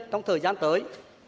trong thời gian tới